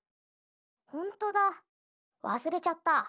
ほんとだわすれちゃった。